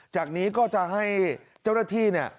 จากนี้ก็จะให้เจ้าหน้าที่เนี่ย